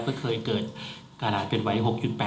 ก็เคยเกิดขนาดเป็นไหว้๖๘